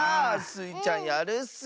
スイちゃんやるッス。